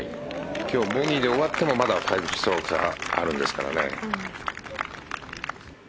今日ボギーで終わっても５ストローク差あるわけですからね。